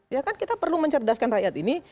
ya kan kita perlu mencerdaskan rakyat ini